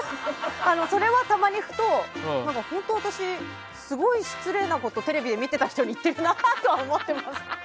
それはたまにふと本当私、すごい失礼なことテレビで見てた人に言ってるなって思ってます。